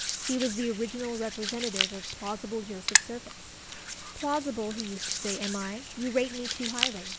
He was the original representative of plausible Joseph Surface. "Plausible," he used to say, "am I? You rate me too highly.